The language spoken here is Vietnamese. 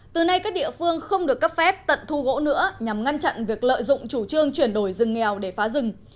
từ nay các địa phương không được cấp phép tận thu gỗ nữa nhằm ngăn chặn việc lợi dụng chủ trương chuyển đổi rừng nghèo để phá rừng